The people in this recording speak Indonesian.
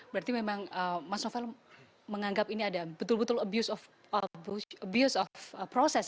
berarti memang mas novel menganggap ini ada betul betul abuse of process